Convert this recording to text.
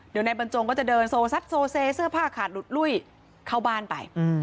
เดี๋ยวนายบรรจงก็จะเดินโซซัดโซเซเสื้อผ้าขาดหลุดลุ้ยเข้าบ้านไป